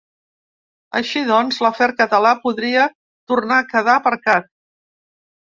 Així doncs l’afer català podria tornar quedar aparcat.